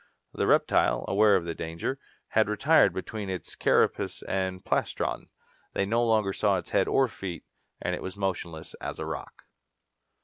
The reptile, aware of danger, had retired between its carapace and plastron. They no longer saw its head or feet, and it was motionless as a rock.